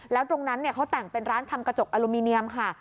แล้วตรงนั้นเขาแต่งเป็นร้านทำกระจกอลูมิเนียมค่ะ